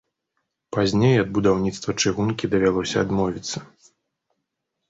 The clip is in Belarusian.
Пазней ад будаўніцтва чыгункі давялося адмовіцца.